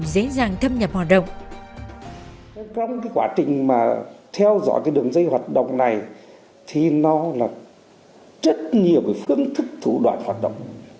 dễ dàng thâm nhập hoạt động